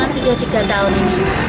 sudah tiga tahun ini